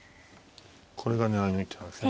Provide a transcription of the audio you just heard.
これが狙いの一手なんですね